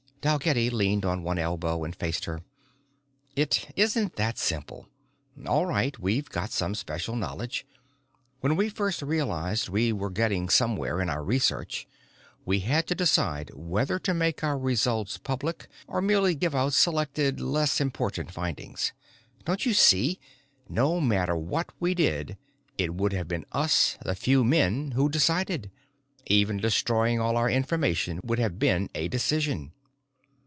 Dalgetty leaned on one elbow and faced her. "It isn't that simple. All right, we've got some special knowledge. When we first realized we were getting somewhere in our research we had to decide whether to make our results public or merely give out selected less important findings. Don't you see, no matter what we did it would have been us, the few men, who decided? Even destroying all our information would have been a decision."